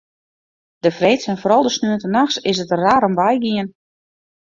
De freeds en foaral de sneontenachts is it der raar om wei gien.